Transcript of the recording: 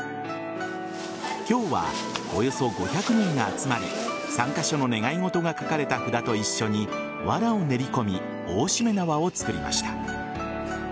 今日は、およそ５００人が集まり参加者の願い事が書かれた札と一緒にわらを練り込み大しめ縄を作りました。